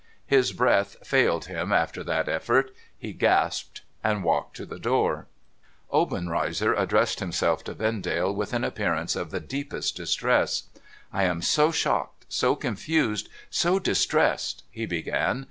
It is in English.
His breath failed him after that effort; he gasped, and walked to the door. Obenreizer addressed himself to Vendale with an appearance of the deepest distress. ' I am so shocked, so confused, so distressed,' he began.